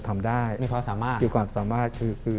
ทำได้คือความสามารถ